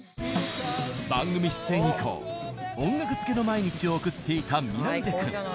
番組出演以降音楽漬けの毎日を送っていた南出君。